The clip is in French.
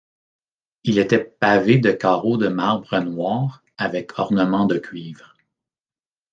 Il était pavé de carreaux de marbre noir avec ornements de cuivre.